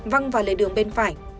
văng vào lề đường bên phải